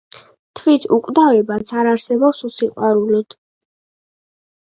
თვით უკვდავებაც არ არსებობს უსიყვარულოდ!